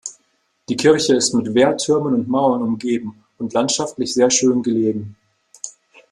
Die Kirche ist mit Wehrtürmen und Mauern umgeben und landschaftlich sehr schön gelegen.